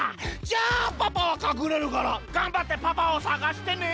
じゃあパパはかくれるからがんばってパパを探してね！